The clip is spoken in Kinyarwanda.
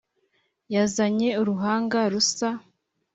yazanye uruhanga rusa